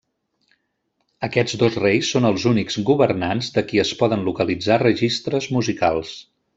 Aquests dos reis són els únics governants de qui es poden localitzar registres musicals.